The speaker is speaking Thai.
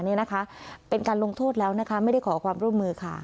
ควบคุมประกาศออกมาเป็นการลงโทษแล้วไม่ได้ขอความร่วมมือค่ะ